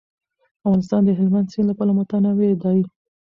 افغانستان د هلمند سیند له پلوه متنوع دی.